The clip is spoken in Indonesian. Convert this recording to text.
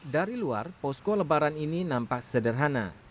dari luar posko lebaran ini nampak sederhana